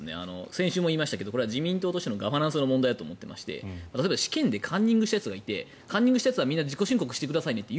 先週も言いましたけどこれは自民党としてのガバナンスの問題だと思っていまして例えば試験でカンニングしたやつがいてカンニングしたやつは自己申告してくださいねって